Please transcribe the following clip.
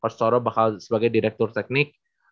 coach toro bakal sebagai direktur teknik